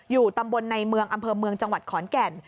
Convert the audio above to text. ตำบลในเมืองอำเภอเมืองจังหวัดขอนแก่น